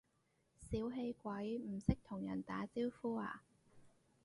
小氣鬼，唔識同人打招呼呀？